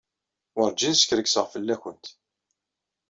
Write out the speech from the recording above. Werǧin skerkseɣ fell-awent.